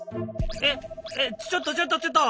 ちょっとちょっとちょっと！